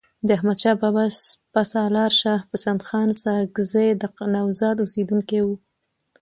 د احمدشاه بابا سپه سالارشاه پسندخان ساکزی د نوزاد اوسیدونکی وو.